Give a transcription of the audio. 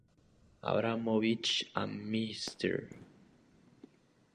Abramovich a Mr.